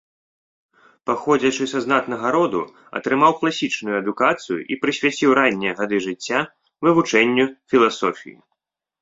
Паходзячы са знатнага роду, атрымаў класічную адукацыю і прысвяціў раннія гады жыцця вывучэнню філасофіі.